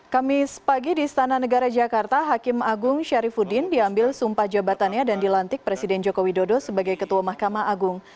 ketua mahkamah agung syarifudin mengambil sumpah jabatannya dan dilantik presiden jokowi dodo sebagai ketua mahkamah agung